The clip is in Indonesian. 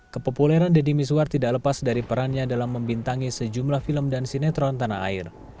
kepopuleran deddy mizwar tidak lepas dari perannya dalam membintangi sejumlah film dan sinetron tanah air